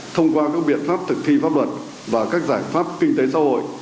thông qua các biện pháp thực thi pháp luật và các giải pháp kinh tế xã hội